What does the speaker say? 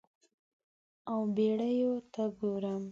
او بیړیو ته ګورم